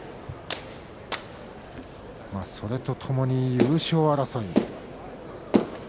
それとともに優勝争い。